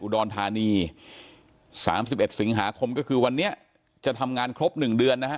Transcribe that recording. อุดรธานีสามสิบเอ็ดสิงหาคมก็คือวันนี้จะทำงานครบหนึ่งเดือนนะฮะ